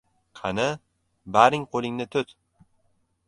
Qani, baring qo‘lingni tut!